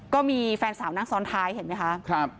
ก็มีแฟนสาวนั่งซ้อนท้ายเห็นไหมคะ